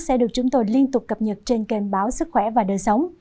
sẽ được chúng tôi liên tục cập nhật trên kênh báo sức khỏe và đời sống